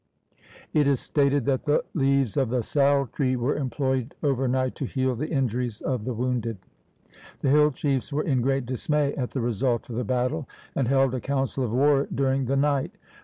It is stated that the leaves of the sal 1 tree were employed overnight to heal the injuries of the wounded. The hill chiefs were in great dismay at the result of the battle, and held a council of war during the night.